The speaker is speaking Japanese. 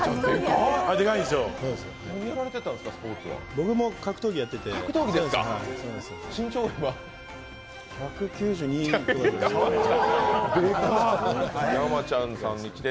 僕も格闘技やってて。